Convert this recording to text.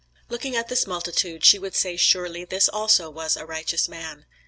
Looking at this multitude she would say surely this also was a righteous man.